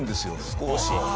少し。